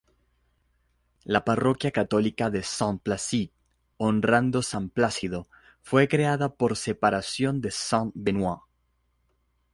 La parroquia católica de Saint-Placide, honrando san Plácido, fue creada por separación de Saint-Benoît.